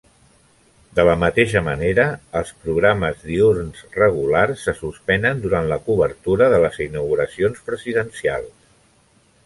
De la mateixa manera, els programes diürns regulars se suspenen durant la cobertura de les inauguracions presidencials.